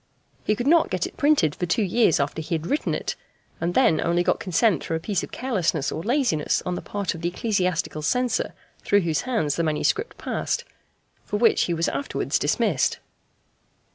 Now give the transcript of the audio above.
He could not get it printed for two years after he had written it, and then only got consent through a piece of carelessness or laziness on the part of the ecclesiastical censor through whose hands the manuscript passed for which he was afterwards dismissed.